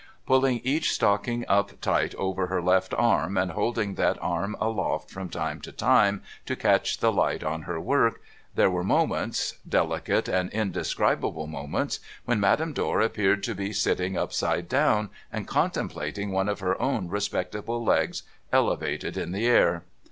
Pulling each stocking up tight over her left arm, and holding that arm aloft from time to S::o No THOROUGHFARE time, to catch the light on her work, there were moments — deHcate and indescribable moments — when Madame Dor appeared to be sitting upside down, and contemplating one of her own respectable legs, elevated in the air.